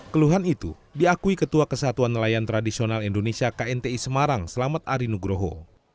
keluhan itu diakui ketua kesatuan nelayan tradisional indonesia knti semarang selamat arinugroho